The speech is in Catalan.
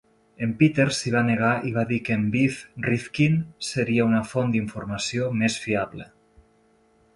En Peter s'hi va negar i va dir que en Biff Rifkin seria una font d'informació més fiable.